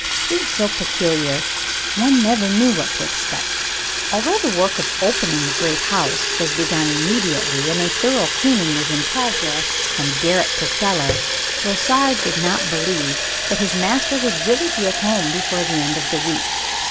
He was so peculiar one never knew what to expect. Although the work of opening the great house was begun immediately, and a thorough cleaning was in progress from garret to cellar, Brossard did not believe that his master would really be at home before the end of the week.